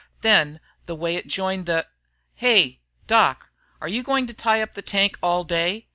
Then the way it joined the "Hey, Doc are you going to tie up the tank all day?